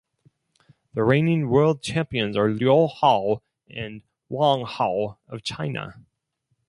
The reigning World Champions are Liu Hao and Wang Hao of China.